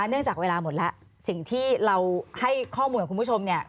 เนื่องจากเวลาหมดแล้วสิ่งที่เราให้ข้อมูลกับคุณผู้ชมเนี่ย